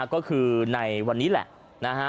ก็คือในวันนี้แหละ